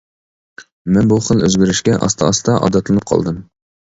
مەن بۇ خىل ئۆزگىرىشكە ئاستا-ئاستا ئادەتلىنىپ قالدىم.